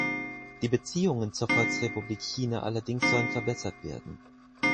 Die Beziehungen zur Volksrepublik China allerdings sollen verbessert werden.